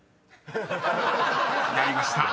［やりました］